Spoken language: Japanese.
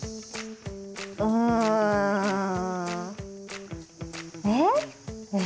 うん。えっ？え。